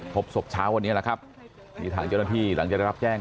พบศพเช้าวันนี้แหละครับมีทางเจ้าหน้าที่หลังจากได้รับแจ้ง